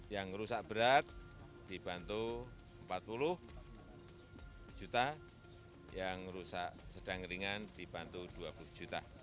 yang rusak berat dibantu empat puluh juta yang rusak sedang ringan dibantu dua puluh juta